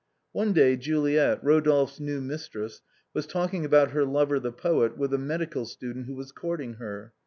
One day Juliet, Rodolphe's new mistress, was talking about her lover, the poet, with a medical student who was courting her.